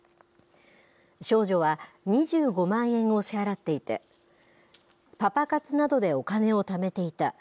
少女は２５万円を支払っていて、パパ活などでお金をためていた。